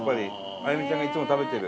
あやみちゃんがいつも食べてる。